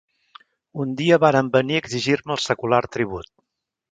Un dia varen venir a exigir-me el secular tribut…